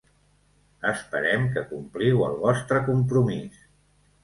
Esperem que compliu el vostre compromís.